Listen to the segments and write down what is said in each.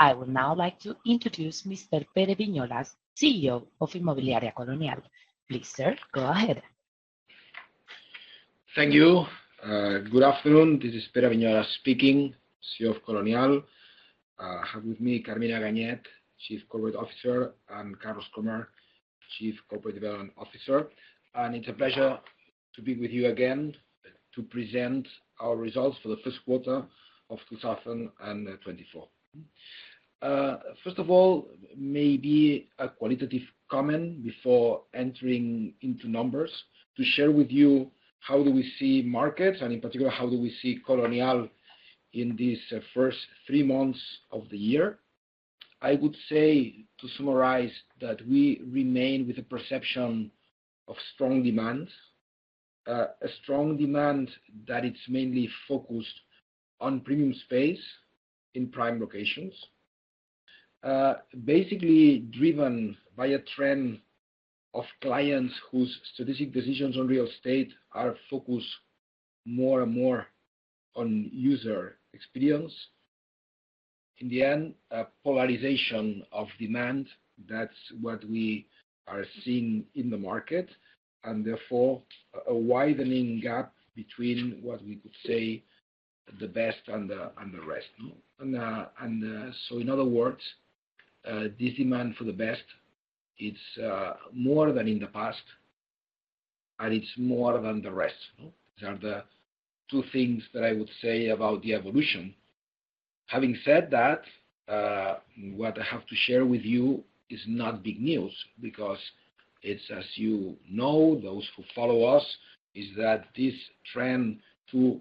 I would now like to introduce Mr. Pere Viñolas, CEO of Inmobiliaria Colonial. Please, sir, go ahead. Thank you. Good afternoon. This is Pere Viñolas speaking, CEO of Colonial. I have with me Carmina Ganyet, Chief Corporate Officer, and Carlos Krohmer, Chief Corporate Development Officer. And it's a pleasure to be with you again, to present our results for the first quarter of 2024. First of all, maybe a qualitative comment before entering into numbers to share with you how we see markets, and in particular how we see Colonial in this first three months of the year. I would say, to summarize, that we remain with a perception of strong demand, a strong demand that it's mainly focused on premium space in prime locations, basically driven by a trend of clients whose strategic decisions on real estate are focused more and more on user experience. In the end, a polarization of demand. That's what we are seeing in the market, and therefore, a widening gap between what we could say the best and the rest, no? And, and, so in other words, this demand for the best, it's more than in the past, and it's more than the rest, no? These are the two things that I would say about the evolution. Having said that, what I have to share with you is not big news because it's, as you know, those who follow us, is that this trend to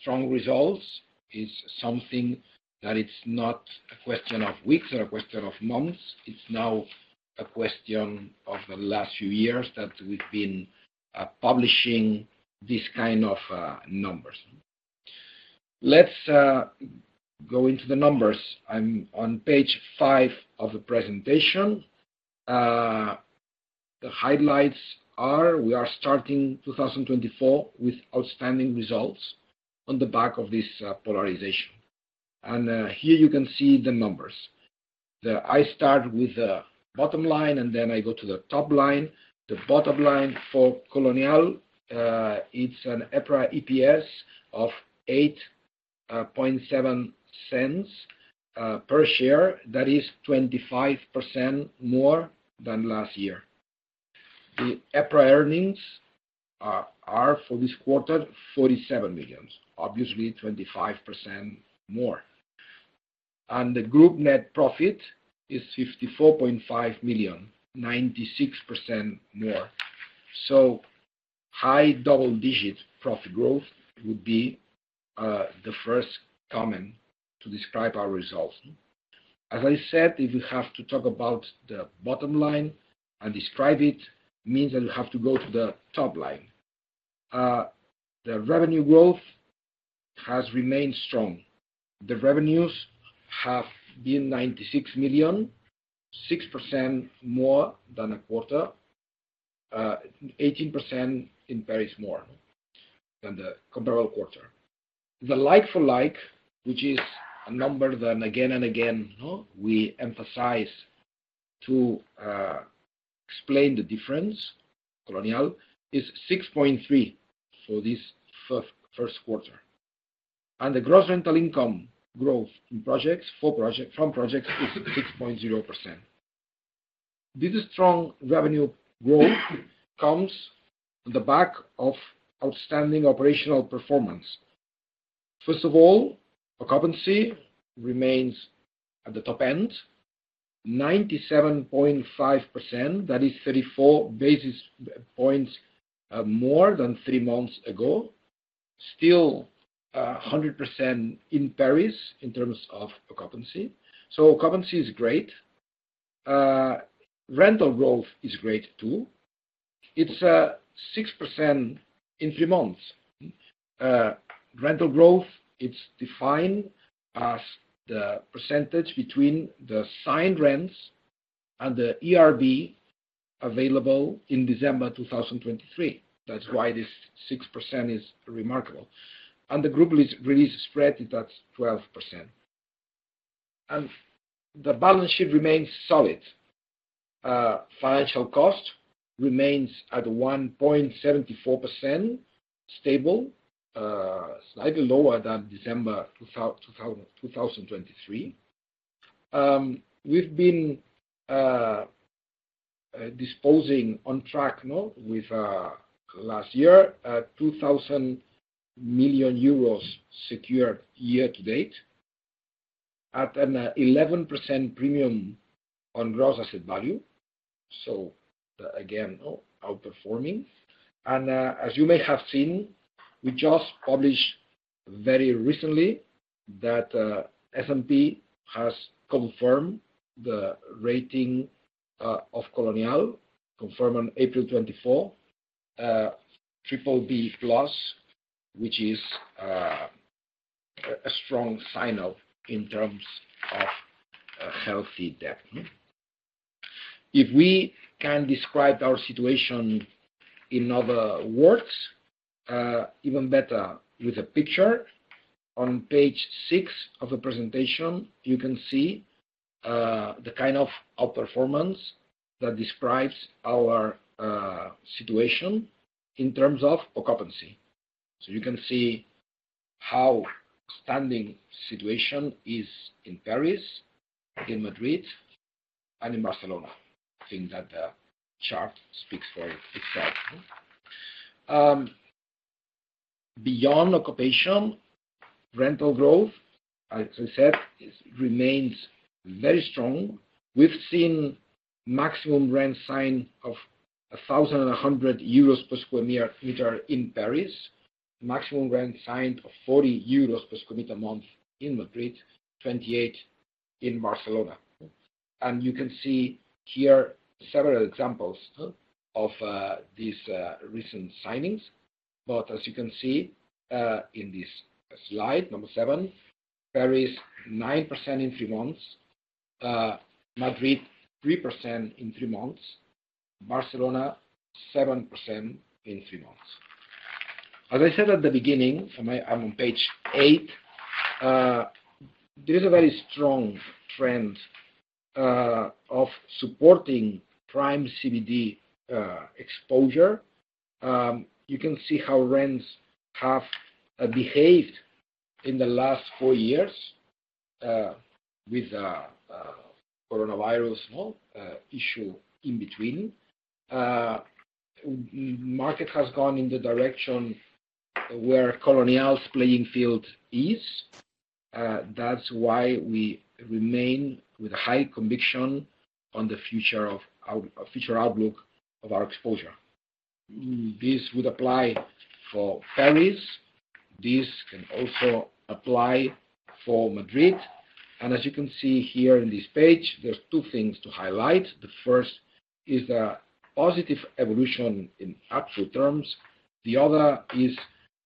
strong results is something that it's not a question of weeks or a question of months. It's now a question of the last few years that we've been publishing this kind of numbers, no? Let's go into the numbers. I'm on page 5 of the presentation. The highlights are we are starting 2024 with outstanding results on the back of this polarization. Here you can see the numbers. Then I start with the bottom line, and then I go to the top line. The bottom line for Colonial, it's an EPRA EPS of 0.087 per share. That is 25% more than last year. The EPRA earnings are for this quarter 47 million, obviously 25% more. And the group net profit is 54.5 million, 96% more. So high double-digit profit growth would be the first comment to describe our results, no? As I said, if we have to talk about the bottom line and describe it, it means that we have to go to the top line. The revenue growth has remained strong. The revenues have been 96 million, 6% more than a quarter, 18% in Paris more, no? Than the comparable quarter. The like-for-like, which is a number that again and again, no? We emphasize to explain the difference, Colonial, is 6.3 for this first quarter. The gross rental income growth in projects for project from projects is 6.0%. This strong revenue growth comes on the back of outstanding operational performance. First of all, occupancy remains at the top end, 97.5%. That is 34 basis points more than three months ago. Still, 100% in Paris in terms of occupancy. So occupancy is great. Rental growth is great too. It's 6% in three months, no? Rental growth, it's defined as the percentage between the signed rents and the ERV available in December 2023. That's why this 6% is remarkable. The group re-leasing spread, that's 12%. The balance sheet remains solid. Financial cost remains at 1.74% stable, slightly lower than December 2023. We've been disposals on track, no? With last year, 2,000 million euros secured year to date at an 11% premium on gross asset value. So, they're again, no? Outperforming. And, as you may have seen, we just published very recently that S&P has confirmed the rating of Colonial, confirmed on April 24, BBB plus, which is a strong sign of healthy debt, no? If we can describe our situation in other words, even better with a picture on page 6 of the presentation, you can see the kind of outperformance that describes our situation in terms of occupancy. So you can see how outstanding the situation is in Paris, in Madrid, and in Barcelona. I think that the chart speaks for itself, no? Beyond occupation, rental growth, as I said, it remains very strong. We've seen maximum rent signed of 1,100 euros per square meter in Paris, maximum rent signed of 40 euros per square meter a month in Madrid, 28 in Barcelona, no? And you can see here several examples, no? Of these recent signings. But as you can see, in this slide, number 7, Paris 9% in 3 months, Madrid 3% in 3 months, Barcelona 7% in 3 months. As I said at the beginning, and I'm on page 8, there is a very strong trend of supporting prime CBD exposure. You can see how rents have behaved in the last 4 years, with coronavirus, no? issue in between. Market has gone in the direction where Colonial's playing field is. That's why we remain with a high conviction on the future of our future outlook of our exposure. This would apply for Paris. This can also apply for Madrid. As you can see here in this page, there are two things to highlight. The first is the positive evolution in actual terms. The other is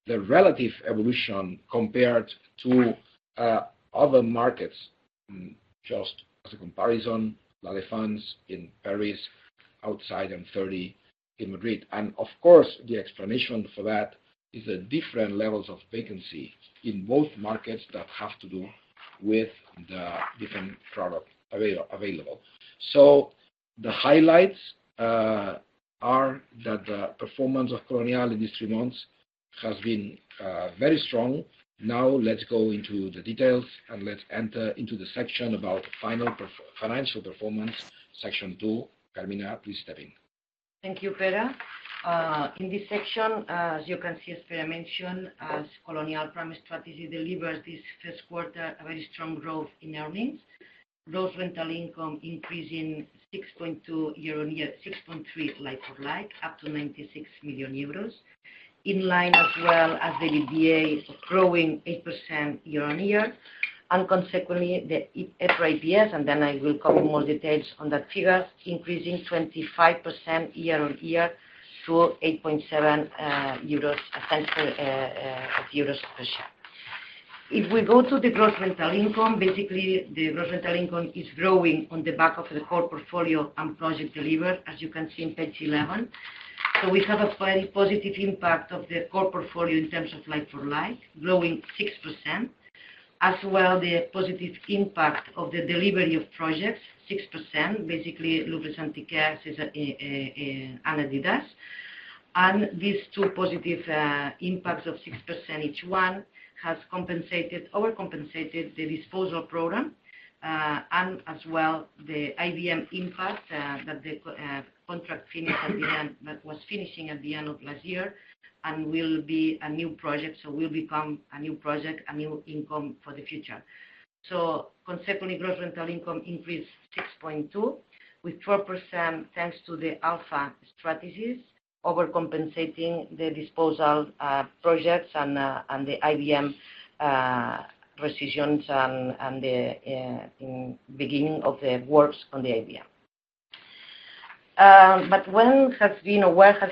the relative evolution compared to other markets, just as a comparison, La Défense in Paris, outside, and 30 in Madrid. And of course, the explanation for that is the different levels of vacancy in both markets that have to do with the different product available. So the highlights are that the performance of Colonial in these three months has been very strong. Now let's go into the details, and let's enter into the section about final financial performance, section two. Carmina, please step in. Thank you, Pere. In this section, as you can see, as Pere mentioned, as Colonial's prime strategy delivers this first quarter, a very strong growth in earnings, gross rental income increasing 6.2% year-on-year, 6.3% like-for-like, up to 96 million euros, in line as well as the EBITDA growing 8% year-on-year. And consequently, the EPRA EPS, and then I will cover more details on that figure, increasing 25% year-on-year to 8.7 euro cents per share. If we go to the gross rental income, basically, the gross rental income is growing on the back of the core portfolio and project delivery, as you can see in page 11. So we have a very positive impact of the core portfolio in terms of like-for-like, growing 6%, as well the positive impact of the delivery of projects, 6%, basically López de Hoyos and Adidas. These two positive impacts of 6% each has overcompensated the disposal program, and as well the IBM impact, that the contract was finishing at the end of last year and will become a new project, a new income for the future. Consequently, gross rental income increased 6.2 with 4% thanks to the alpha strategies overcompensating the disposal projects and the IBM rescissions and the beginning of the works on the IBM. But where has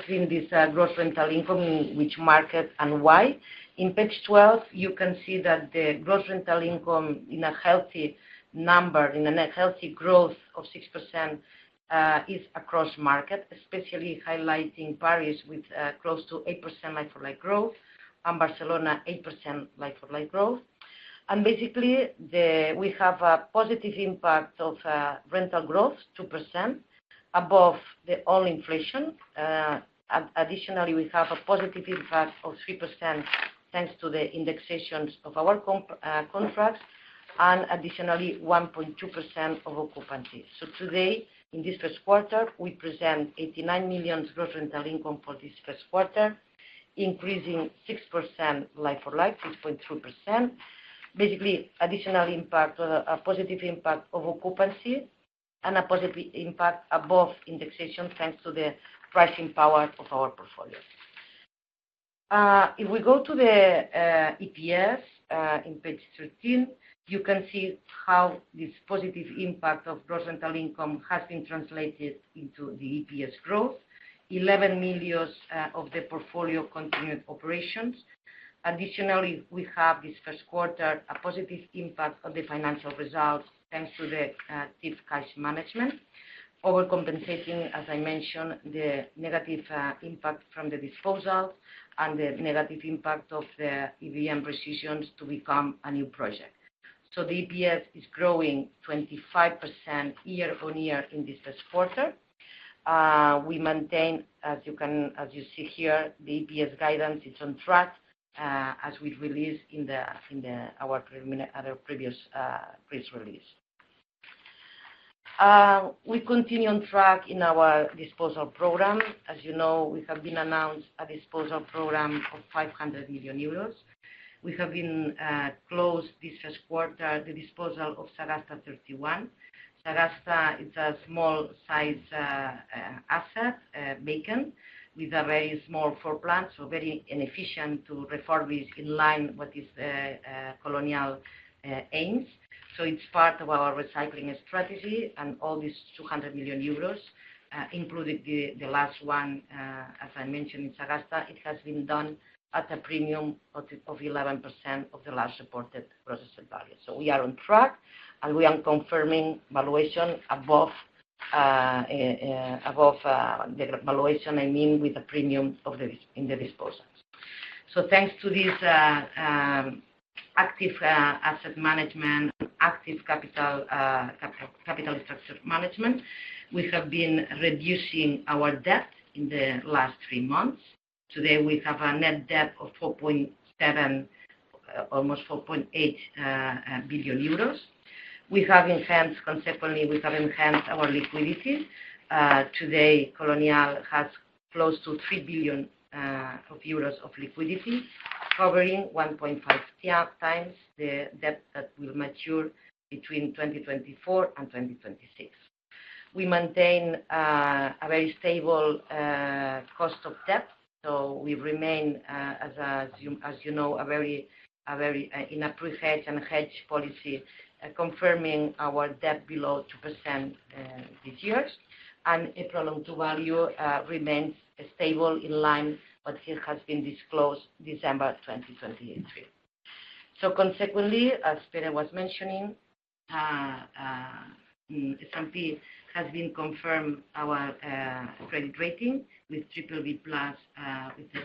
been this gross rental income, in which market, and why? On page 12, you can see that the gross rental income in a healthy number, in a healthy growth of 6%, is across markets, especially highlighting Paris with close to 8% like-for-like growth and Barcelona 8% like-for-like growth. Basically, we have a positive impact of rental growth, 2%, above the all inflation. Additionally, we have a positive impact of 3% thanks to the indexations of our comp contracts and additionally 1.2% of occupancy. So today, in this first quarter, we present 89 million gross rental income for this first quarter, increasing 6% like-for-like, 6.3%. Basically, additional impact or a positive impact of occupancy and a positive impact above indexation thanks to the pricing power of our portfolio. If we go to the EPS on page 13, you can see how this positive impact of gross rental income has been translated into the EPS growth, 11 million, of the portfolio continued operations. Additionally, we have this first quarter a positive impact on the financial results thanks active cash management overcompensating, as I mentioned, the negative impact from the disposal and the negative impact of the EBM rescissions to become a new project. So the EPS is growing 25% year-on-year in this first quarter. We maintain, as you can as you see here, the EPS guidance. It's on track, as we release in the in the our preliminary other previous press release. We continue on track in our disposal program. As you know, we have been announced a disposal program of 500 million euros. We have been closed this first quarter the disposal of Sagasta 31. Sagasta, it's a small-sized asset, vacant with a very small floor plant, so very inefficient to refurbish in line what is the Colonial aims. So it's part of our recycling strategy. All these 200 million euros, including the last one, as I mentioned in Sagasta, it has been done at a premium of 11% of the last reported appraised value. So we are on track, and we are confirming valuation above the valuation, I mean, with the premium in the disposal. So thanks to this active asset management, active capital structure management, we have been reducing our debt in the last three months. Today, we have a net debt of 4.7 billion, almost 4.8 billion euros. We have consequently enhanced our liquidity. Today, Colonial has close to 3 billion euros of liquidity, covering 1.5 times the debt that will mature between 2024 and 2026. We maintain a very stable cost of debt. So we remain, as you know, a very appropriate and hedged policy, confirming our debt below 2%, this year. And LTV and GAV remains stable in line with what has been disclosed December 2023. So consequently, as Pere was mentioning, S&P has confirmed our credit rating with BBB+, with a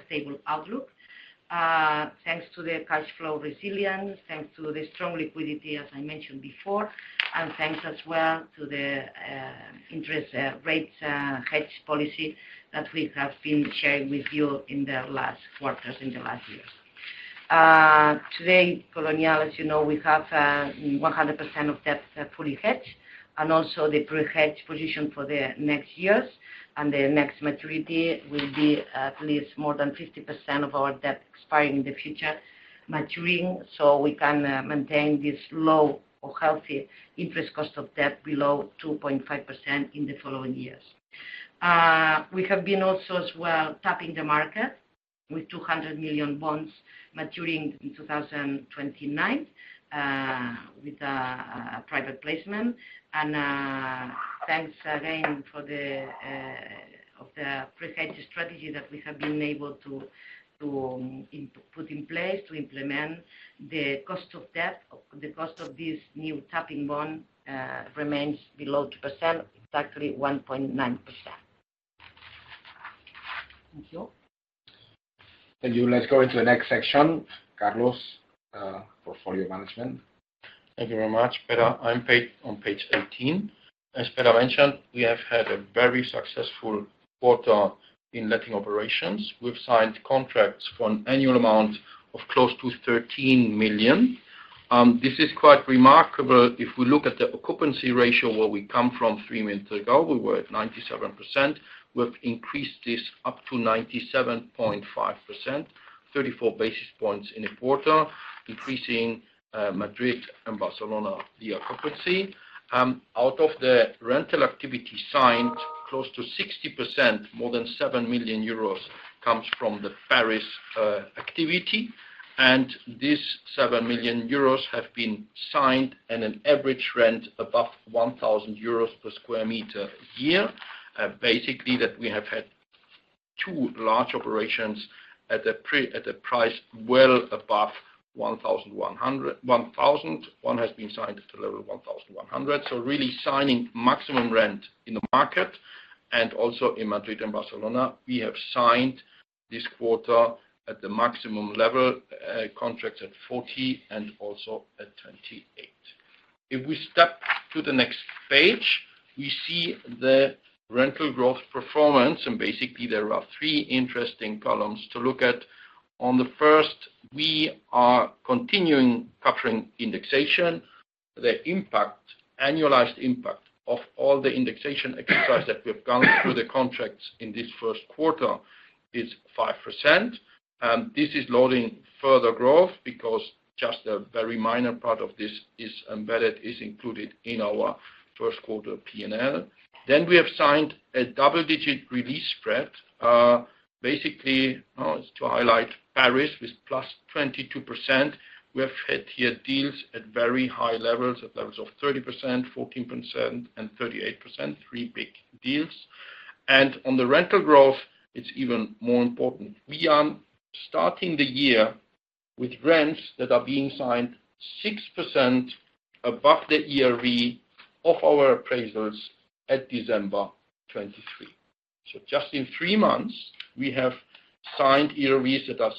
stable outlook, thanks to the cash flow resilience, thanks to the strong liquidity, as I mentioned before, and thanks as well to the interest rates hedge policy that we have been sharing with you in the last quarters in the last years. Today, Colonial, as you know, we have 100% of debt fully hedged and also the pre-hedged position for the next years. The next maturity will be at least more than 50% of our debt expiring in the future, maturing, so we can maintain this low or healthy interest cost of debt below 2.5% in the following years. We have been also as well tapping the market with 200 million bonds maturing in 2029, with a private placement. Thanks again for the of the pre-hedge strategy that we have been able to to put in place, to implement. The cost of debt of the cost of this new tapping bond remains below 2%, exactly 1.9%. Thank you. Thank you. Let's go into the next section, Carlos, portfolio management. Thank you very much, Pere. I'm on page 18. As Pere mentioned, we have had a very successful quarter in letting operations. We've signed contracts for an annual amount of close to 13 million. This is quite remarkable. If we look at the occupancy ratio where we come from three minutes ago, we were at 97%. We've increased this up to 97.5%, 34 basis points in a quarter, increasing Madrid and Barcelona the occupancy. Out of the rental activity signed, close to 60%, more than 7 million euros, comes from the Paris activity. And these 7 million euros have been signed and an average rent above 1,000 euros per square meter a year, basically that we have had two large operations at a price well above 1,100 1,000. One has been signed at the level of 1,100. So really signing maximum rent in the market. Also in Madrid and Barcelona, we have signed this quarter at the maximum level, contracts at 40 and also at 28. If we step to the next page, we see the rental growth performance. Basically, there are three interesting columns to look at. On the first, we are continuing covering indexation. The impact, annualized impact of all the indexation exercise that we've gone through the contracts in this first quarter is 5%. This is loading further growth because just a very minor part of this is embedded, is included in our first quarter P&L. Then we have signed a double-digit re-leasing spread. Basically, oh, it's to highlight Paris with +22%. We have had here deals at very high levels, at levels of 30%, 14%, and 38%, three big deals. On the rental growth, it's even more important. We are starting the year with rents that are being signed 6% above the ERV of our appraisals at December 23. So just in three months, we have signed ERVs that are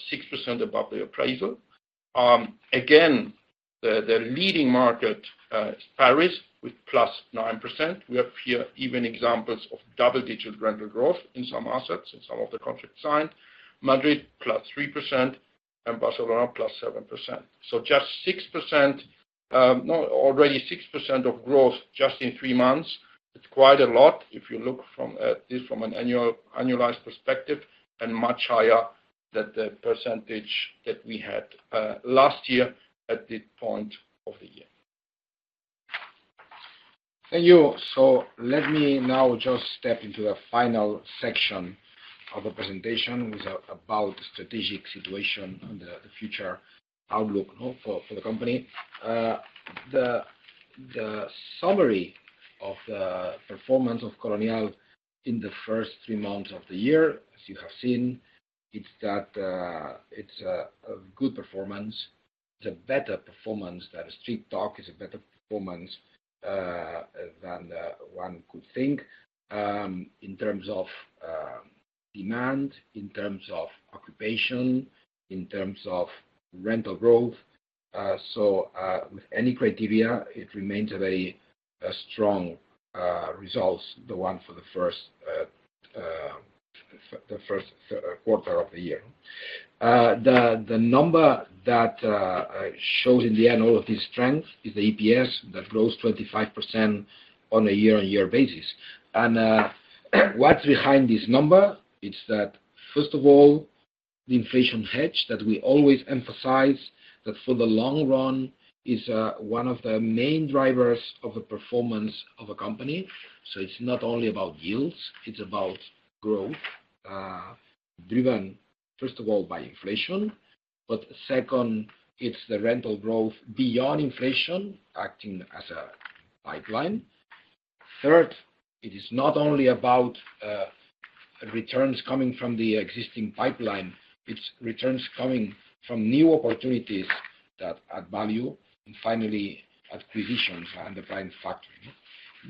6% above the appraisal. Again, the leading market is Paris with +9%. We have here even examples of double-digit rental growth in some assets in some of the contracts signed, Madrid +3% and Barcelona +7%. So already 6% of growth just in three months. It's quite a lot if you look at this from an annualized perspective and much higher than the percentage that we had last year at this point of the year. Thank you. So let me now just step into the final section of the presentation with about the strategic situation and the future outlook for the company. The summary of the performance of Colonial in the first three months of the year, as you have seen, it's a good performance. It's a better performance. That is, street talk is a better performance than one could think, in terms of demand, in terms of occupation, in terms of rental growth. So, with any criteria, it remains a very strong result, the one for the first quarter of the year. The number that shows in the end all of this strength is the EPS that grows 25% on a year-on-year basis. What's behind this number, it's that, first of all, the inflation hedge that we always emphasize that for the long run is one of the main drivers of the performance of a company. So it's not only about yields. It's about growth, driven, first of all, by inflation. But second, it's the rental growth beyond inflation acting as a pipeline. Third, it is not only about returns coming from the existing pipeline. It's returns coming from new opportunities that add value and finally, acquisitions and the prime factor.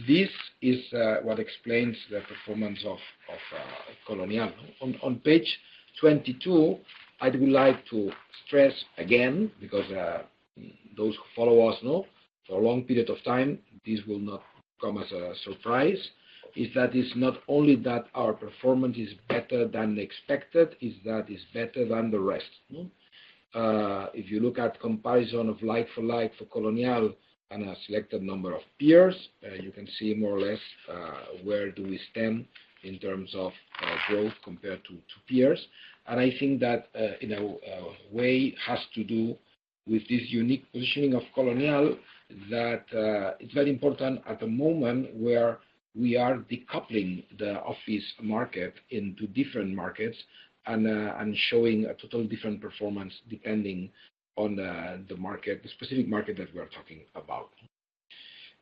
This is what explains the performance of Colonial. On page 22, I would like to stress again because those who follow us know for a long period of time, this will not come as a surprise, is that it's not only that our performance is better than expected, it's that it's better than the rest, no. If you look at comparison of like-for-like for Colonial and a selected number of peers, you can see more or less where do we stand in terms of growth compared to peers. And I think that, in a way, has to do with this unique positioning of Colonial that it's very important at the moment where we are decoupling the office market into different markets and showing a total different performance depending on the market, the specific market that we are talking about.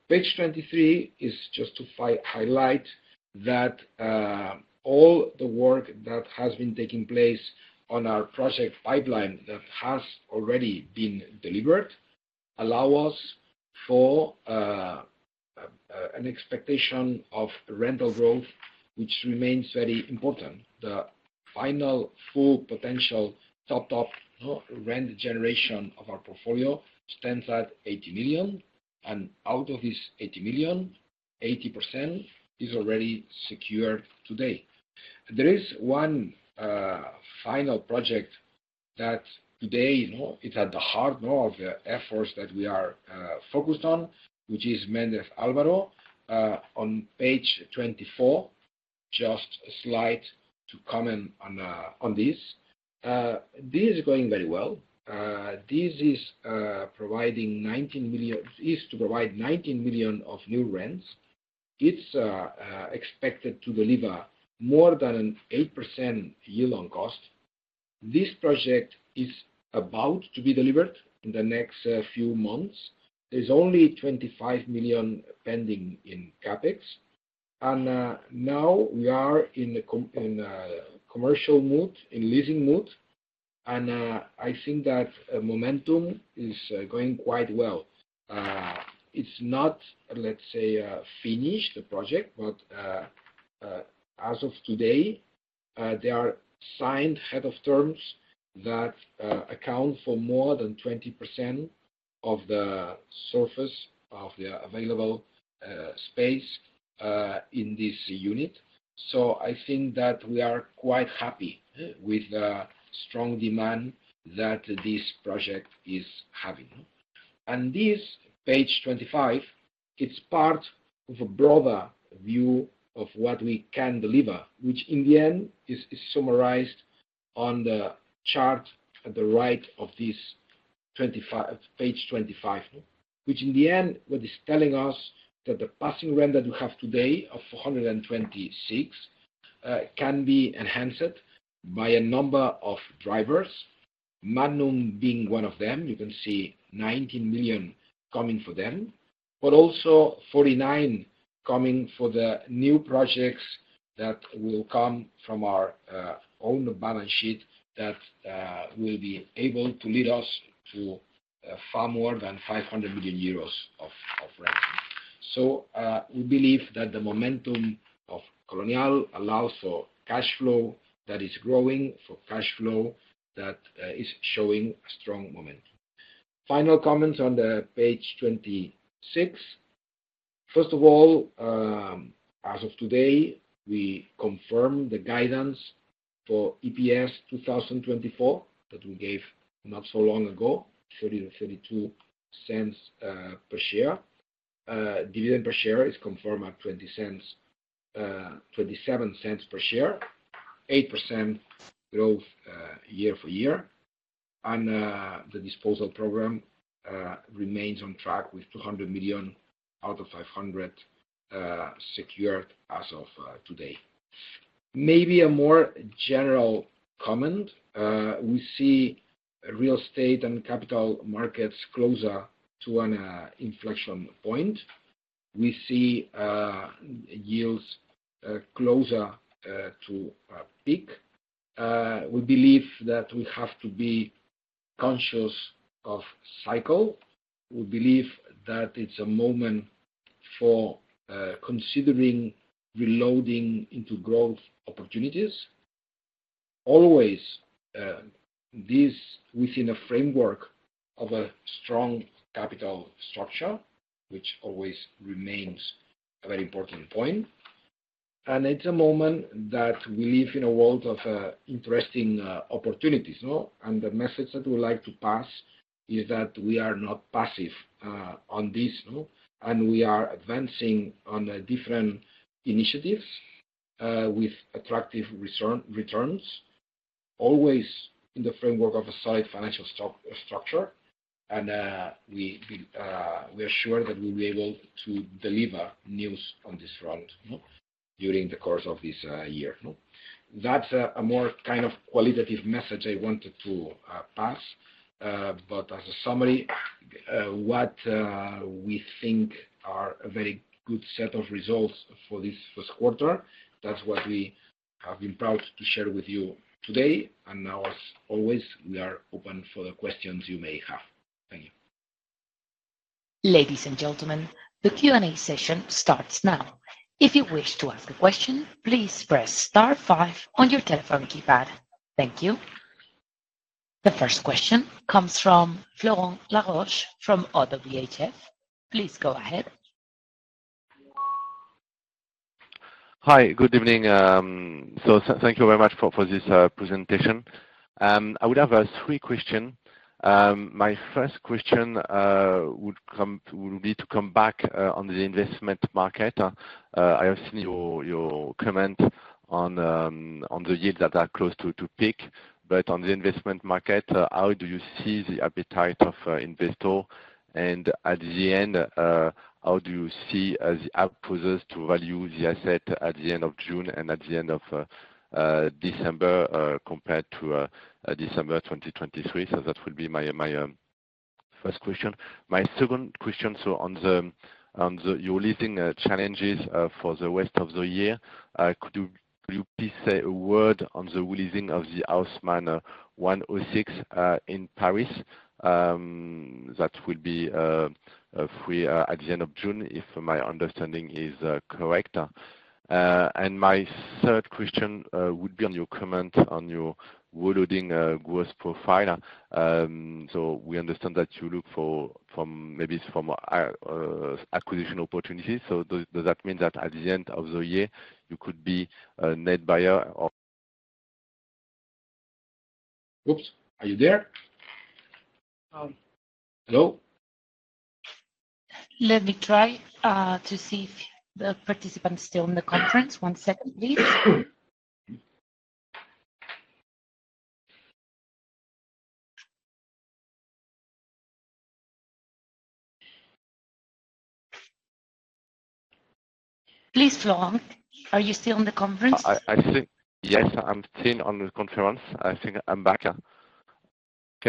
Page 23 is just to highlight that, all the work that has been taking place on our project pipeline that has already been delivered allow us for an expectation of rental growth, which remains very important. The final full potential top rent generation of our portfolio stands at 80 million. And out of these 80 million, 80% is already secured today. There is one final project that today it's at the heart of the efforts that we are focused on, which is Méndez Álvaro. On page 24, just a slide to comment on this. This is going very well. This is, providing 19 million is to provide 19 million of new rents. It's expected to deliver more than an 8% yield on cost. This project is about to be delivered in the next few months. There's only 25 million pending in CapEx. Now we are in a commercial mood, in leasing mood. I think that momentum is going quite well. It's not, let's say, finished, the project, but as of today, there are signed head of terms that account for more than 20% of the surface of the available space in this unit. So I think that we are quite happy with the strong demand that this project is having, no. This page 25, it's part of a broader view of what we can deliver, which in the end is summarized on the chart at the right of this page 25, no, which in the end, what is telling us that the passing rent that we have today of 426 can be enhanced by a number of drivers, Madnum being one of them. You can see 19 million coming for them, but also 49 million coming for the new projects that will come from our own balance sheet that will be able to lead us to far more than 500 million euros of rent. So, we believe that the momentum of Colonial allows for cash flow that is growing, for cash flow that is showing a strong momentum. Final comments on the page 26. First of all, as of today, we confirm the guidance for EPS 2024 that we gave not so long ago, 0.32 per share. Dividend per share is confirmed at 0.20, 0.27 per share, 8% growth, year for year. The disposal program remains on track with 200 million out of 500 million, secured as of today. Maybe a more general comment. We see real estate and capital markets closer to an inflection point. We see yields closer to a peak. We believe that we have to be conscious of cycle. We believe that it is a moment for considering reloading into growth opportunities. Always this within a framework of a strong capital structure, which always remains a very important point. It is a moment that we live in a world of interesting opportunities, no. And the message that we would like to pass is that we are not passive, on this, no. And we are advancing on different initiatives, with attractive returns, always in the framework of a solid financial structure. And, we are sure that we'll be able to deliver news on this front, no, during the course of this, year, no. That's a more kind of qualitative message I wanted to, pass. But as a summary, what we think are a very good set of results for this first quarter, that's what we have been proud to share with you today. And now, as always, we are open for the questions you may have. Thank you. Ladies and gentlemen, the Q&A session starts now. If you wish to ask a question, please press star five on your telephone keypad. Thank you. The first question comes from Florent Laroche-Joubert from ODDO BHF. Please go ahead. Hi. Good evening. So thank you very much for this presentation. I would have three questions. My first question would be to come back on the investment market. I have seen your comment on the yields that are close to peak. But on the investment market, how do you see the appetite of investors? And at the end, how do you see the appraisers to value the assets at the end of June and at the end of December, compared to December 2023? So that will be my first question. My second question, so on your leasing challenges for the rest of the year, could you please say a word on the re-leasing of the Haussmann 106 in Paris, that will be free at the end of June, if my understanding is correct? My third question would be on your comment on your well-located growth profile. So we understand that you look forward to maybe it's from acquisition opportunities. So does that mean that at the end of the year, you could be a net buyer or? Oops. Are you there? Hello? Let me try, to see if the participant's still in the conference. One second, please. Please, Florent, are you still in the conference? I, I think yes. I'm still on the conference. I think I'm back. Can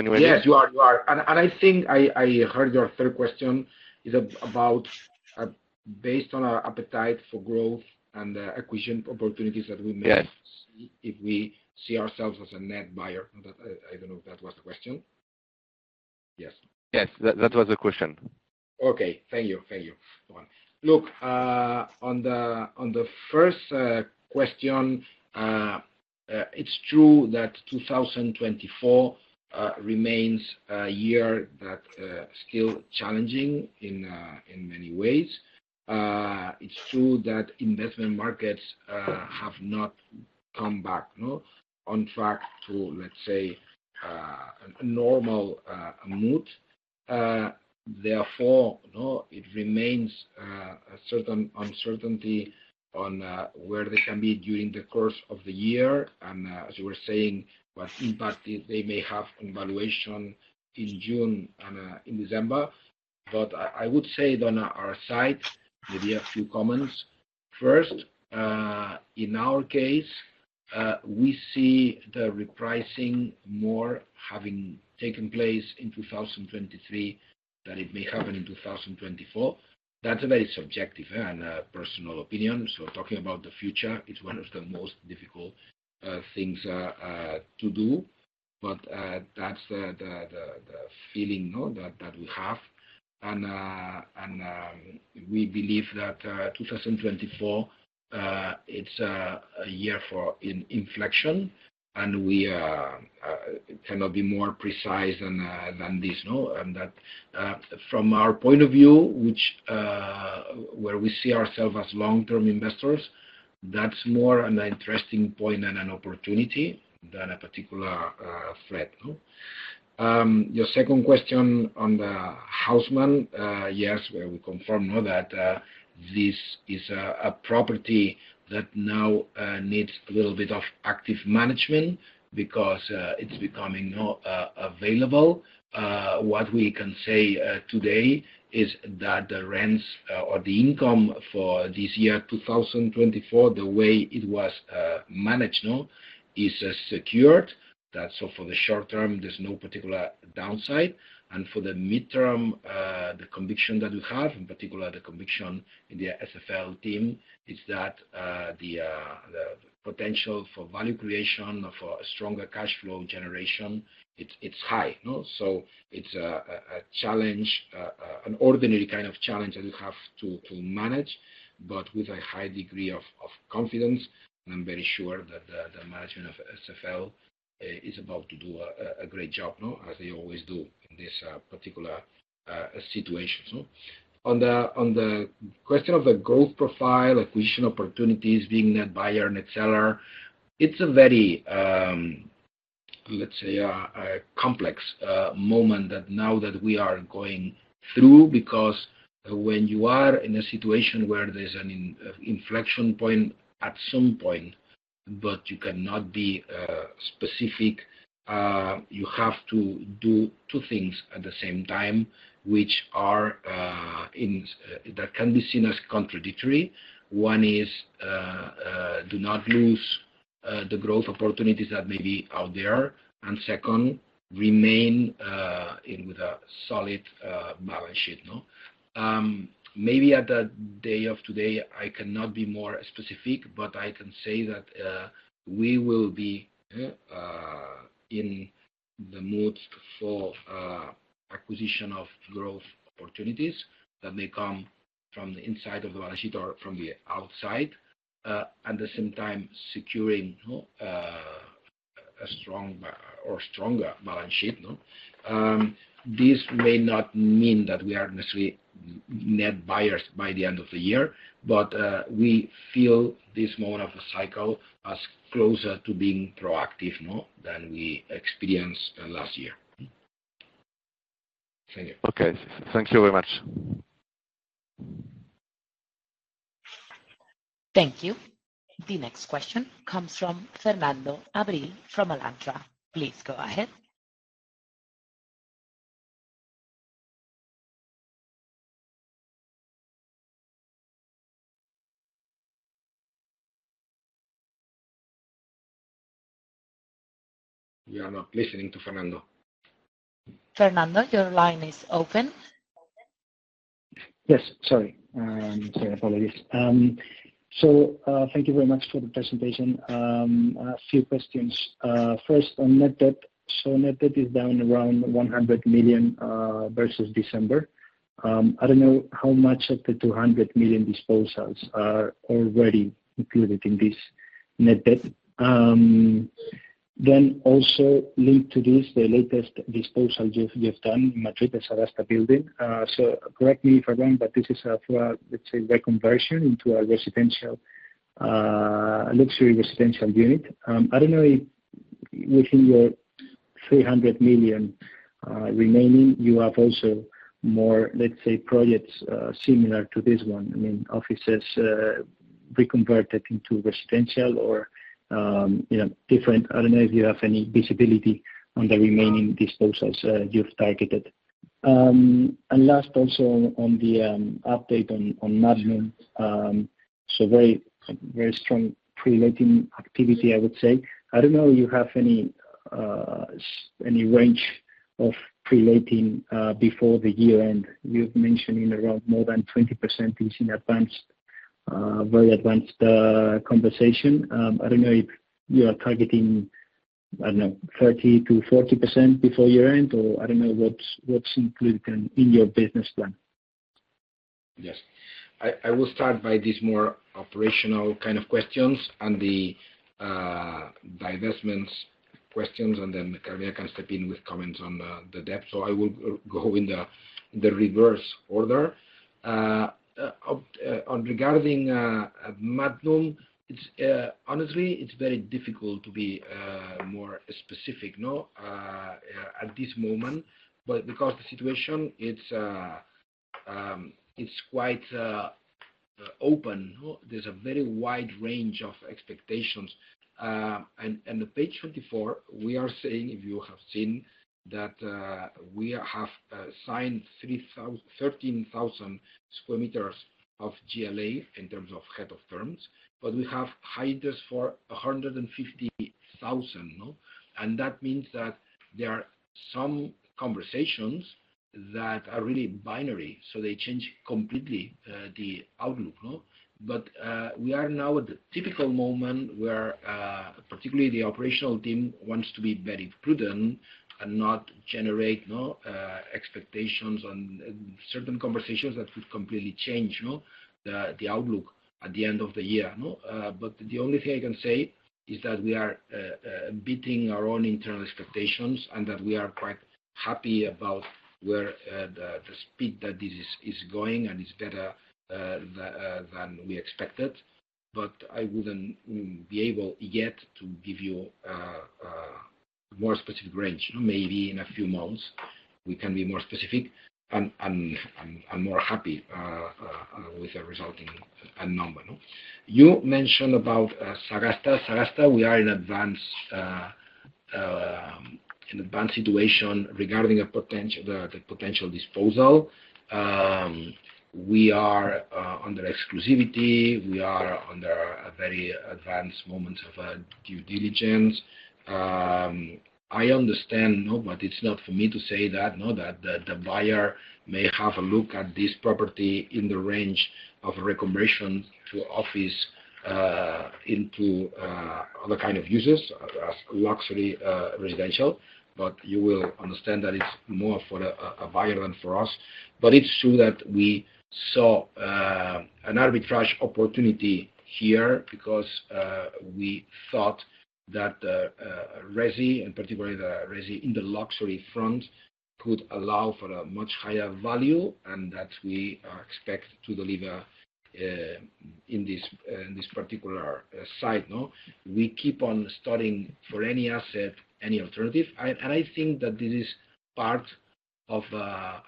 you hear me? Yes, you are. You are. And I think I heard your third question is about, based on an appetite for growth and acquisition opportunities that we may. Yes. See if we see ourselves as a net buyer. No, that I, I don't know if that was the question. Yes. That was the question. Okay. Thank you. Thank you, Florian. Look, on the first question, it's true that 2024 remains a year that still challenging in many ways. It's true that investment markets have not come back on track to, let's say, a normal mood. Therefore, it remains a certain uncertainty on where they can be during the course of the year. And, as you were saying, what impact they may have on valuation in June and in December. But I would say, on our side, maybe a few comments. First, in our case, we see the repricing more having taken place in 2023 than it may happen in 2024. That's very subjective, and a personal opinion. So talking about the future, it's one of the most difficult things to do. But that's the feeling that we have. We believe that 2024 is a year for inflection. We cannot be more precise than this. From our point of view, where we see ourselves as long-term investors, that's more an interesting point and an opportunity than a particular threat. Your second question on the Haussmann, yes, we confirm that this is a property that now needs a little bit of active management because it's becoming available. What we can say today is that the rents, or the income for this year, 2024, the way it was managed, is secured. So for the short term, there's no particular downside. For the midterm, the conviction that we have, in particular the conviction in the SFL team, is that the potential for value creation or for a stronger cash flow generation is high. So it's a challenge, an ordinary kind of challenge that you have to manage, but with a high degree of confidence. And I'm very sure that the management of SFL is about to do a great job, as they always do in this particular situation. On the question of the growth profile, acquisition opportunities, being net buyer, net seller, it's a very, let's say, complex moment that now that we are going through because when you are in a situation where there's an inflection point at some point, but you cannot be specific, you have to do two things at the same time, which are in that can be seen as contradictory. One is do not lose the growth opportunities that may be out there. And second, remain in with a solid balance sheet. Maybe at the day of today, I cannot be more specific, but I can say that we will be in the mood for acquisition of growth opportunities that may come from the inside of the balance sheet or from the outside, at the same time securing a strong balance sheet or stronger balance sheet. This may not mean that we are necessarily net buyers by the end of the year, but we feel this moment of a cycle as closer to being proactive than we experienced last year. Thank you. Okay. Thank you very much. Thank you. The next question comes from Fernando Abril-Martorell from Alantra. Please go ahead. We are not listening to Fernando. Fernando, your line is open. Yes. Sorry, apologies. Thank you very much for the presentation. A few questions. First, on net debt. Net debt is down around 100 million, versus December. I don't know how much of the 200 million disposals are already included in this net debt. Then also linked to this, the latest disposal you've done in Madrid, the Sagasta building. So correct me, Fernando, but this is, for a, let's say, reconversion into a residential, luxury residential unit. I don't know if within your 300 million, remaining, you have also more, let's say, projects, similar to this one. I mean, offices, reconverted into residential or, you know, different. I don't know if you have any visibility on the remaining disposals, you've targeted. And last, also, on the update on Madnum, so very, very strong pre-letting activity, I would say. I don't know if you have any, any range of pre-leasing before the year-end. You've mentioned in around more than 20% is in advanced, very advanced, conversation. I don't know if you are targeting, I don't know, 30%-40% before year-end, or I don't know what's, what's included in, in your business plan. Yes. I, I will start by these more operational kind of questions and the, divestments questions. And then Carmina can step in with comments on, the debt. So I will go in the, in the reverse order. On regarding Madnum's, it's, honestly, it's very difficult to be, more specific, no, at this moment. But because of the situation, it's, it's quite, open, no. There's a very wide range of expectations. on page 24, we are saying, if you have seen, that we have signed 3,000 13,000 square meters of GLA in terms of head of terms. But we have high interest for 150,000. And that means that there are some conversations that are really binary. So they change completely the outlook. But we are now at the typical moment where particularly the operational team wants to be very prudent and not generate expectations on certain conversations that could completely change the outlook at the end of the year. But the only thing I can say is that we are beating our own internal expectations and that we are quite happy about where the speed that this is going and is better than we expected. But I wouldn't be able yet to give you more specific range. Maybe in a few months, we can be more specific and more happy with a resulting number, no. You mentioned about Sagasta. Sagasta, we are in an advanced situation regarding a potential disposal. We are under exclusivity. We are under a very advanced moment of due diligence. I understand, no, but it's not for me to say that, no, that the buyer may have a look at this property in the range of reconversion to office into other kind of uses as luxury residential. But you will understand that it's more for a buyer than for us. But it's true that we saw an arbitrage opportunity here because we thought that the resi and particularly the resi in the luxury front could allow for a much higher value and that we expect to deliver in this particular site, no. We keep on studying for any asset, any alternative. And I think that this is part of a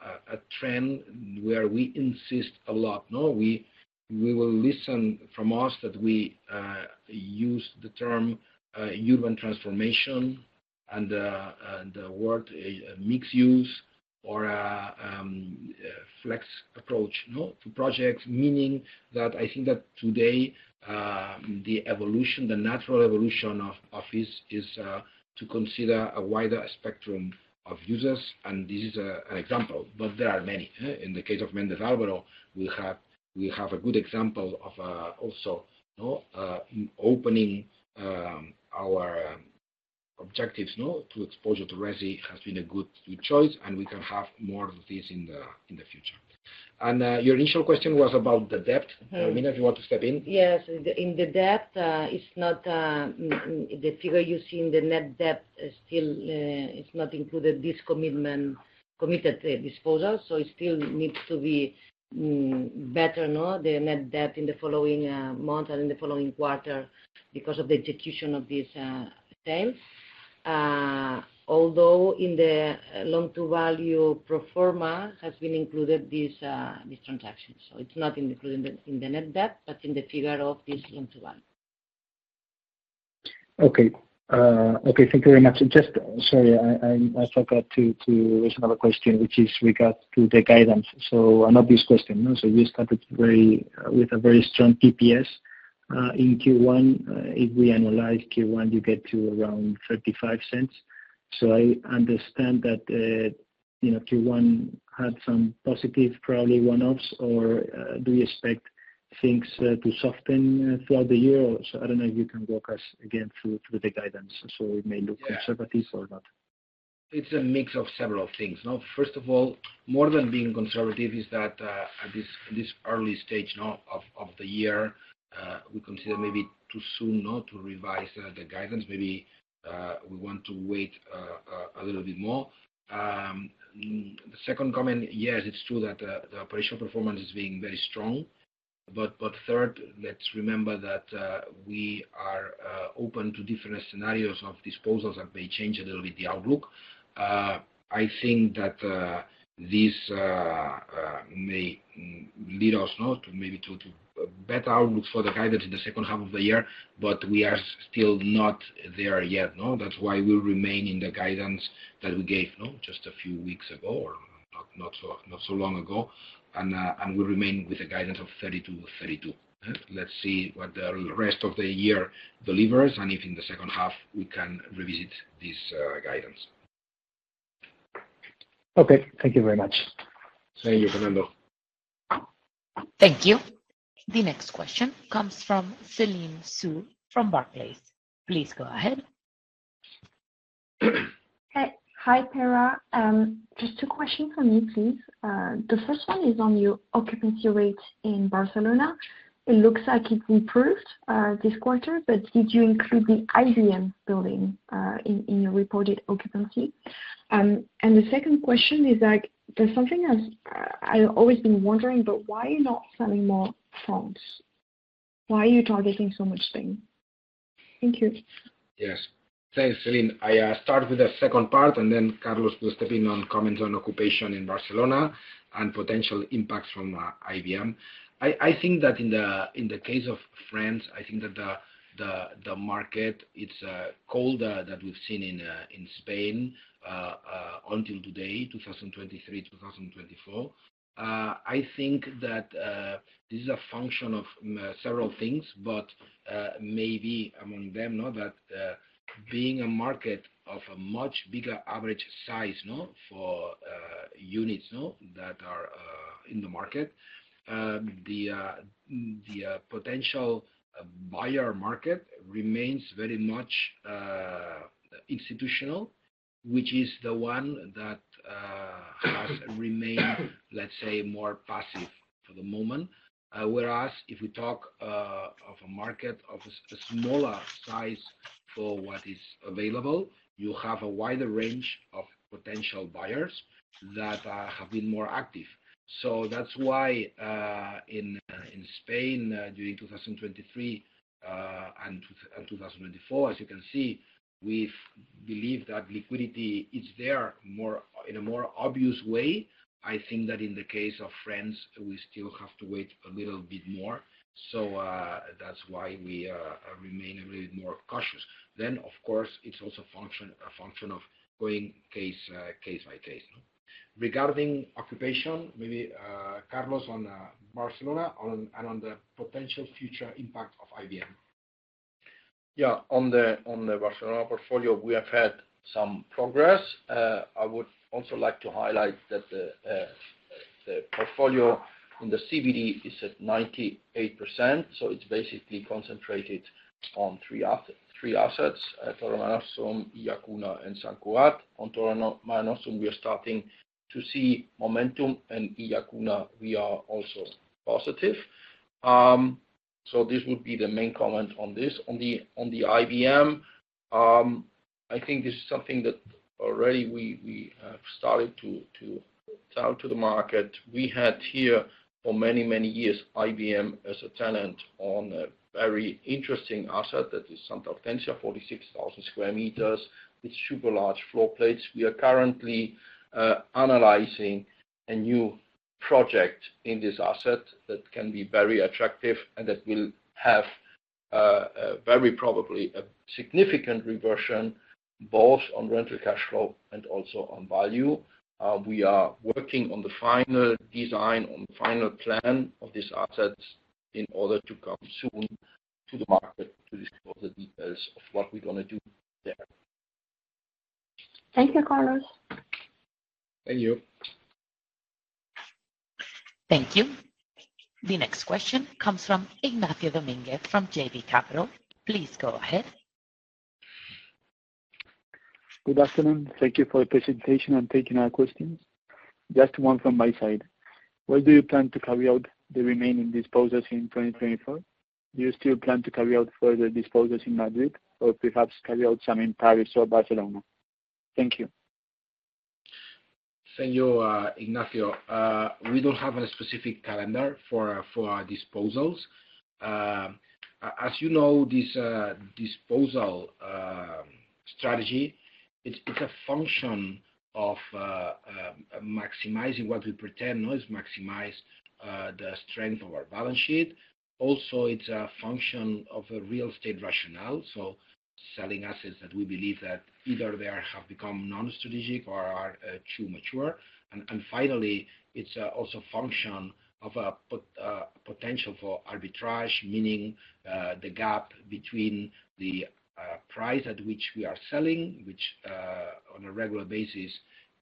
trend where we insist a lot, no. We will listen from us that we use the term urban transformation and the word mixed use or a flex approach, no, to projects, meaning that I think that today, the evolution, the natural evolution of this is to consider a wider spectrum of users. And this is an example. But there are many. In the case of Méndez Álvaro, we have a good example of also opening our objectives to exposure to resi has been a good choice. And we can have more of this in the future. And your initial question was about the debt. Carmina, if you want to step in. Yes. In the debt, the figure you see in the net debt is still not included, this committed disposal. So it still needs to be the net debt in the following month and in the following quarter because of the execution of this sale. Although in the loan-to-value pro forma has been included this transaction. So it's not included in the net debt, but in the figure of this loan-to-value. Okay. Thank you very much. Just sorry. I forgot to raise another question, which is with regard to the guidance. So an obvious question, no. So you started with a very strong PPS in Q1. If we analyze Q1, you get to around 0.35. So I understand that, you know, Q1 had some positive, probably, one-offs. Or do you expect things to soften throughout the year? Or so I don't know if you can walk us again through the guidance. So it may look conservative or not. It's a mix of several things, no. First of all, more than being conservative is that at this early stage of the year, we consider maybe too soon to revise the guidance. Maybe we want to wait a little bit more. The second comment, yes, it's true that the operational performance is being very strong. But third, let's remember that we are open to different scenarios of disposals that may change a little bit the outlook. I think that this may lead us to maybe to better outlooks for the guidance in the second half of the year. But we are still not there yet, no. That's why we remain in the guidance that we gave just a few weeks ago or not so long ago. We remain with a guidance of 30-32. Let's see what the rest of the year delivers and if in the second half, we can revisit this guidance. Okay. Thank you very much. Thank you, Fernando. Thank you. The next question comes from Céline Soo-Huynh from Barclays. Please go ahead. Hi. Hi, Pere. Just two questions for me, please. The first one is on your occupancy rate in Barcelona. It looks like it's improved this quarter. But did you include the IBM building in your reported occupancy? And the second question is that there's something that's, I've always been wondering, but why are you not selling more fronts? Why are you targeting so much space? Thank you. Yes. Thanks, Celine. I start with the second part. And then Carlos will step in on comments on occupation in Barcelona and potential impacts from IBM. I think that in the case of France, I think that the market it's colder than we've seen in Spain until today, 2023, 2024. I think that this is a function of several things. But maybe among them, being a market of a much bigger average size for units that are in the market, the potential buyer market remains very much institutional, which is the one that has remained, let's say, more passive for the moment. Whereas if we talk of a market of a smaller size for what is available, you have a wider range of potential buyers that have been more active. So that's why, in Spain, during 2023 and 2024, as you can see, we've believed that liquidity is there more in a more obvious way. I think that in the case of France, we still have to wait a little bit more. So, that's why we remain a little bit more cautious. Then, of course, it's also a function of going case by case, no. Regarding occupation, maybe, Carlos on, Barcelona on and on the potential future impact of IBM. Yeah. On the Barcelona portfolio, we have had some progress. I would also like to highlight that the portfolio in the CBD is at 98%. So it's basically concentrated on three assets: Torre Marenostrum, Illacuna, and Sant Cugat. On Torre Marenostrum, we are starting to see momentum. Illacuna, we are also positive. So this would be the main comment on this. On the IBM, I think this is something that already we have started to tell to the market. We had here for many, many years IBM as a tenant on a very interesting asset that is Santa Hortensia, 46,000 square meters with super large floor plates. We are currently analyzing a new project in this asset that can be very attractive and that will have, very probably a significant reversion both on rental cash flow and also on value. We are working on the final design, on the final plan of this asset in order to come soon to the market to disclose the details of what we're going to do there. Thank you, Carlos. Thank you. Thank you. The next question comes from Ignacio Domínguez from JB Capital. Please go ahead. Good afternoon. Thank you for the presentation and taking our questions. Just one from my side. Where do you plan to carry out the remaining disposals in 2024? Do you still plan to carry out further disposals in Madrid or perhaps carry out some in Paris or Barcelona? Thank you. Thank you, Ignacio. We don't have a specific calendar for disposals. As you know, this disposal strategy, it's a function of maximizing what we pretend, no, is maximize the strength of our balance sheet. Also, it's a function of a real estate rationale. So selling assets that we believe that either they have become non-strategic or are too mature. And finally, it's also a function of a potential for arbitrage, meaning the gap between the price at which we are selling, which on a regular basis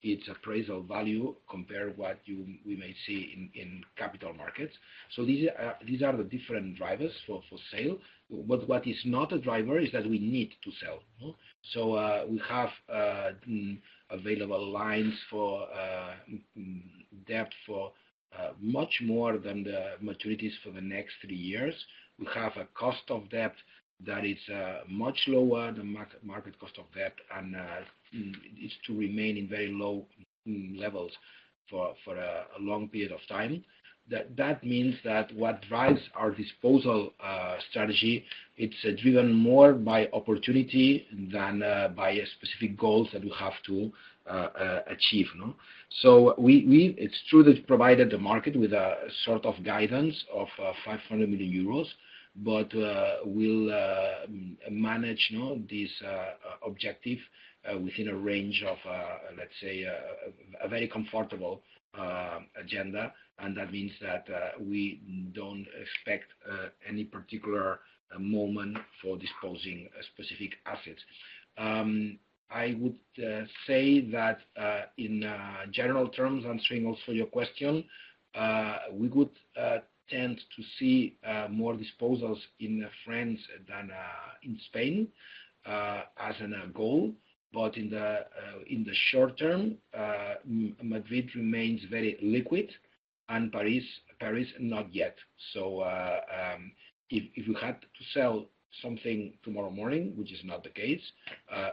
it's appraisal value compared to what we may see in capital markets. So these are the different drivers for sale. What is not a driver is that we need to sell, no. So we have available lines for debt for much more than the maturities for the next three years. We have a cost of debt that is much lower than market cost of debt. And it's to remain in very low levels for a long period of time. That means that what drives our disposal strategy, it's driven more by opportunity than by specific goals that we have to achieve, no. So it's true that we provided the market with a sort of guidance of 500 million euros. But we'll manage this objective within a range of, let's say, a very comfortable agenda. And that means that we don't expect any particular moment for disposing specific assets. I would say that in general terms, answering also your question, we would tend to see more disposals in France than in Spain, as a goal. But in the short term, Madrid remains very liquid. And Paris not yet. So, if we had to sell something tomorrow morning, which is not the case,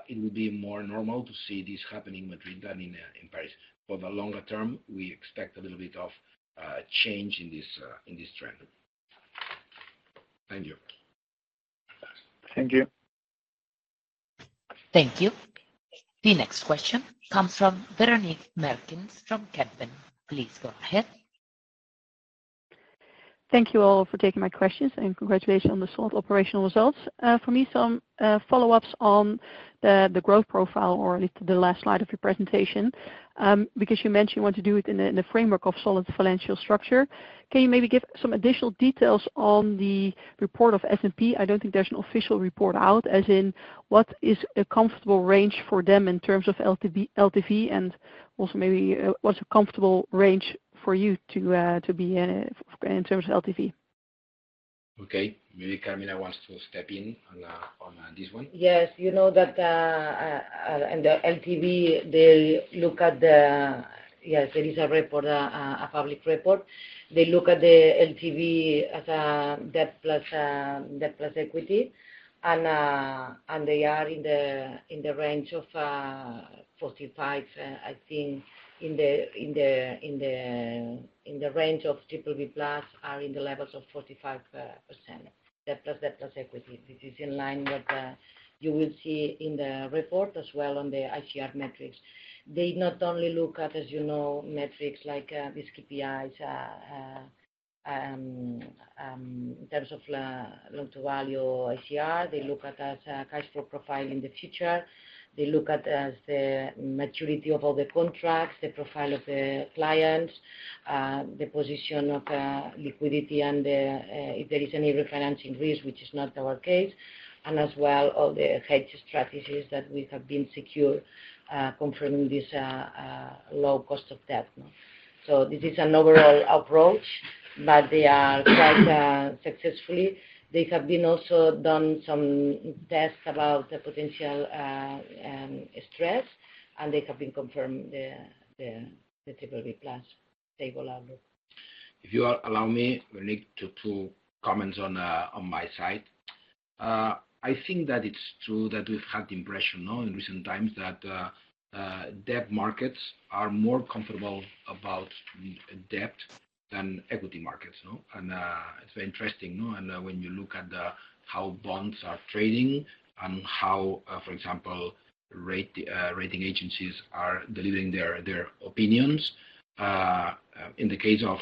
it would be more normal to see this happening in Madrid than in Paris. But the longer term, we expect a little bit of change in this trend. Thank you. Thank you. Thank you. The next question comes from Véronique Meertens from Kempen Please go ahead. Thank you all for taking my questions. Congratulations on the solid operational results. For me, some follow-ups on the growth profile or at least the last slide of your presentation, because you mentioned you want to do it in the framework of solid financial structure. Can you maybe give some additional details on the report of S&P? I don't think there's an official report out, as in what is a comfortable range for them in terms of LTV and also maybe, what's a comfortable range for you to be in, in terms of LTV? Okay. Maybe Carmina wants to step in on this one. Yes. You know that, in the LTV, they look at—yes, there is a report, a public report. They look at the LTV as a debt plus debt plus equity. And they are in the range of 45, I think, in the range of BBB+ are in the levels of 45% debt plus debt plus equity. This is in line with, you will see in the report as well on the ICR metrics. They not only look at, as you know, metrics like these KPIs, in terms of loan-to-value or ICR. They look at our cash flow profile in the future. They look at us, the maturity of all the contracts, the profile of the clients, the position of liquidity and if there is any refinancing risk, which is not our case, and as well all the hedge strategies that we have secured, confirming this low cost of debt. No. So this is an overall approach. But they have quite successfully also done some tests about the potential stress. And they have confirmed the BBB+ stable outlook. If you allow me, Véronique, two comments on my side. I think that it's true that we've had the impression, no, in recent times that debt markets are more comfortable about debt than equity markets, no. It's very interesting, no. When you look at how bonds are trading and how, for example, rating agencies are delivering their opinions, in the case of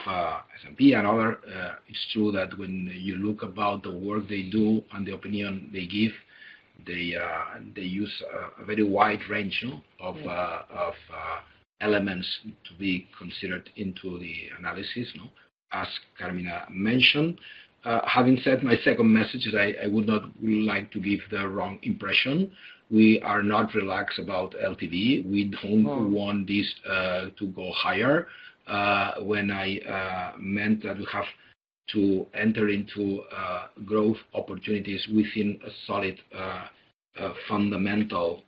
S&P and other, it's true that when you look about the work they do and the opinion they give, they use a very wide range, no, of elements to be considered into the analysis, no, as Carmina mentioned. Having said, my second message is I would not like to give the wrong impression. We are not relaxed about LTV. We don't. No. Want this to go higher. When I meant that we have to enter into growth opportunities within a solid fundamental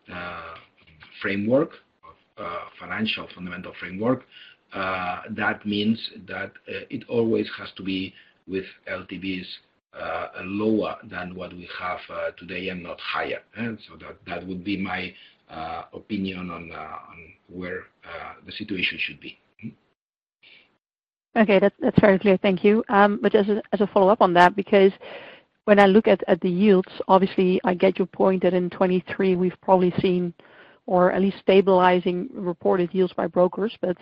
framework of financial fundamental framework, that means that it always has to be with LTVs lower than what we have today and not higher, huh. So that that would be my opinion on on where the situation should be. Okay. That's very clear. Thank you. But as a follow-up on that, because when I look at the yields, obviously, I get your point that in 2023, we've probably seen or at least stabilizing reported yields by brokers. But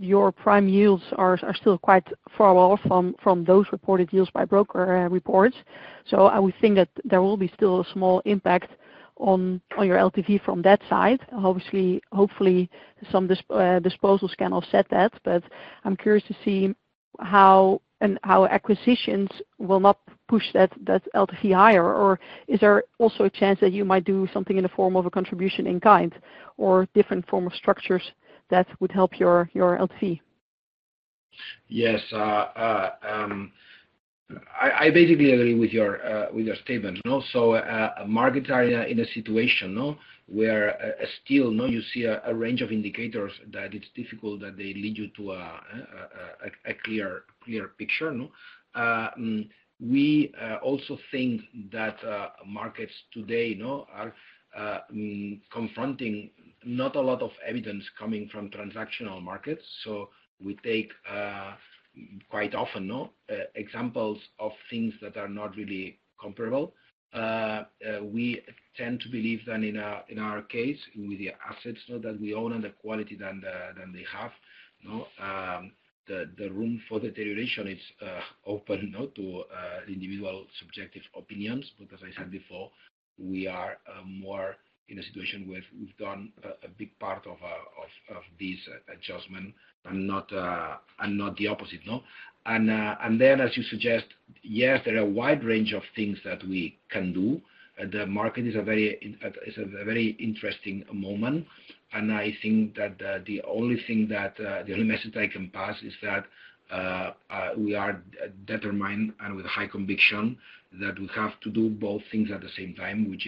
your prime yields are still quite far off from those reported yields by broker reports. So I would think that there will be still a small impact on your LTV from that side. Obviously, hopefully, some disposals can offset that. But I'm curious to see how acquisitions will not push that LTV higher. Or is there also a chance that you might do something in the form of a contribution in kind or different form of structures that would help your LTV? Yes. I basically agree with your statement. So, markets are in a situation where still you see a range of indicators that it's difficult that they lead you to a clear picture. We also think that markets today are confronting not a lot of evidence coming from transactional markets. So we take quite often examples of things that are not really comparable. We tend to believe that in our case, with the assets that we own and the quality that they have, the room for deterioration is open to individual subjective opinions. But as I said before, we are more in a situation where we've done a big part of this adjustment and not the opposite. And then, as you suggest, yes, there are a wide range of things that we can do. The market is a very interesting moment. And I think that the only message that I can pass is that we are determined and with high conviction that we have to do both things at the same time, which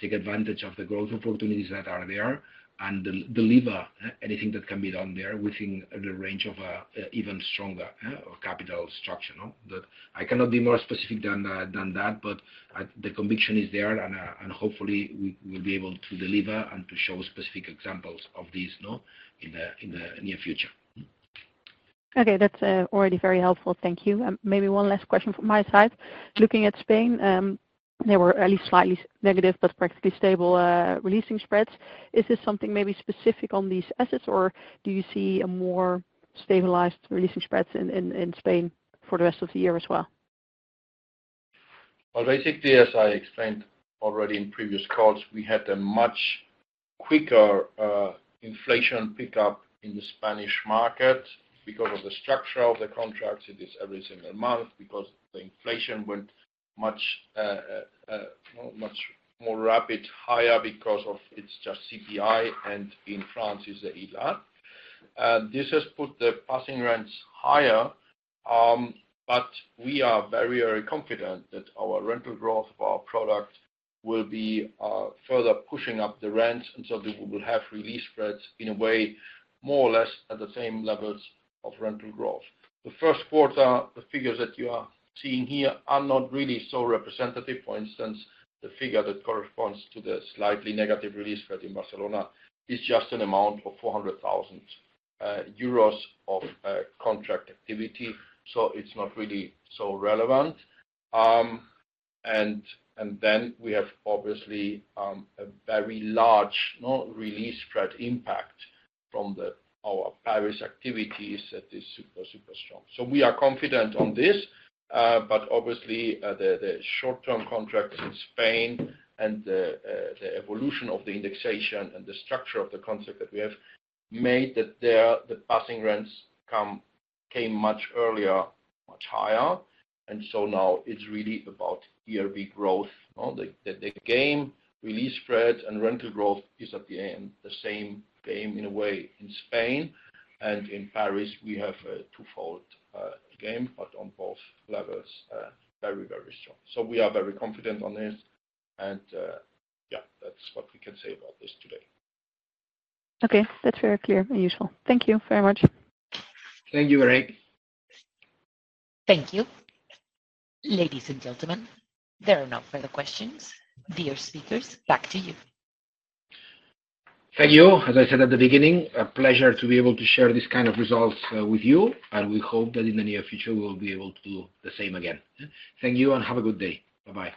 is take advantage of the growth opportunities that are there and deliver anything that can be done there within the range of a even stronger capital structure. But I cannot be more specific than that. But the conviction is there. And hopefully, we'll be able to deliver and to show specific examples of these in the near future. Okay. That's already very helpful. Thank you. Maybe one last question from my side. Looking at Spain, there were at least slightly negative but practically stable re-leasing spreads. Is this something maybe specific on these assets? Or do you see a more stabilized re-leasing spreads in Spain for the rest of the year as well? Well, basically, as I explained already in previous calls, we had a much quicker inflation pickup in the Spanish market because of the structure of the contracts. It is every single month because the inflation went much, much more rapid higher because of it's just CPI. And in France, it's the ILA. This has put the passing rents higher. But we are very, very confident that our rental growth of our product will be further pushing up the rents and so that we will have re-leasing spreads in a way more or less at the same levels of rental growth. The first quarter figures that you are seeing here are not really so representative. For instance, the figure that corresponds to the slightly negative re-leasing spread in Barcelona is just an amount of 400,000 euros of contract activity. So it's not really so relevant. Then we have, obviously, a very large re-leasing spread impact from our Paris activities that is super, super strong. So we are confident on this. But obviously, the short-term contracts in Spain and the evolution of the indexation and the structure of the contract that we have made that the passing rents came much earlier, much higher. And so now, it's really about year-by-year growth. The game re-leasing spreads and rental growth is, at the end, the same game in a way in Spain. And in Paris, we have a twofold game but on both levels, very, very strong. So we are very confident on this. And, yeah, that's what we can say about this today. Okay. That's very clear and useful. Thank you very much. Thank you, Véronique. Thank you. Ladies and gentlemen, there are no further questions. Dear speakers, back to you. Thank you. As I said at the beginning, a pleasure to be able to share this kind of results, with you. We hope that in the near future, we will be able to do the same again, huh. Thank you. Have a good day. Bye-bye.